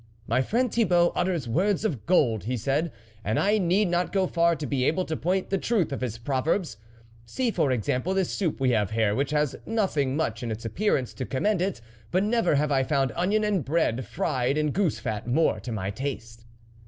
" My friend Thibault utters words of gold," he said, " and I need not go far to be able to point the truth of his pro verbs. ... See for example, this soup we have here, which has nothing much in its appearance to commend it, but never have I found onion and bread fried in goose fat more to my taste."